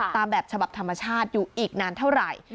ตามแบบฉบับธรรมชาติอยู่อีกนานเท่าไหร่